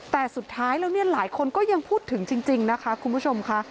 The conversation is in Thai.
แต่สุดท้ายแล้วเนี่ยหลายคนก็ยังพูดถึงจริงนะคะคุณผู้ชมค่ะ